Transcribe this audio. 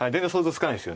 つかないです。